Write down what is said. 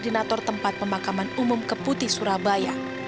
dan menjadi koordinator tempat pemakaman umum kepote surabaya